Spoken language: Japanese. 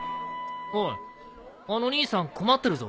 おいあの兄さん困ってるぞ。